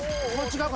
違う？